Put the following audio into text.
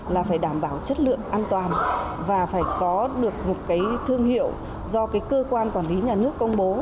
là phải đảm bảo chất lượng an toàn và phải có được một cái thương hiệu do cái cơ quan quản lý nhà nước công bố